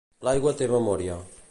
L'aigua té memòria